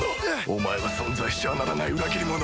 お前は存在してはならない裏切り者。